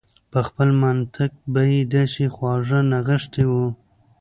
په خپل منطق به يې داسې خواږه نغښتي و.